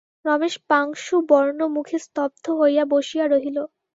রমেশ পাংশুবর্ণমুখে স্তব্ধ হইয়া বসিয়া রহিল।